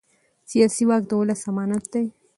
سیاسي واک د ولس امانت دی